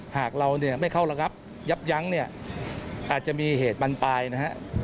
หากเราไม่เข้ารับยับยั้งอาจจะมีเหตุบรรณ์ปลายนะฮะ